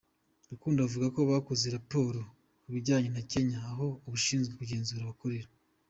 Rukundo avuga ko bakoze raporo bayijyana Kenya, aho abashinzwe kugenzura bakorera.